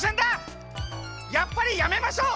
やっぱりやめましょう。